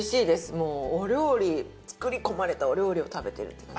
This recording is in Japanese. もうお料理作り込まれたお料理を食べてるって感じ。